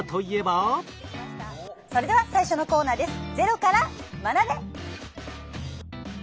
それでは最初のコーナーです。